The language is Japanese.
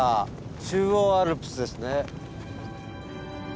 中央アルプスですね。